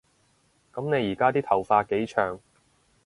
噉你而家啲頭髮幾長